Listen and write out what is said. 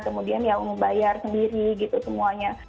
kemudian ya membayar sendiri gitu semuanya